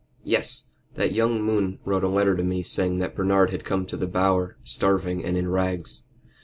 "Yes! That young Moon wrote a letter to me saying that Bernard had come to the Bower, starving and in rags."